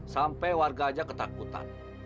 sampai warga aja ketakutan